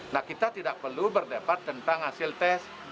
nah kita tidak perlu berdebat tentang hasil tes